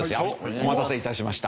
お待たせ致しました。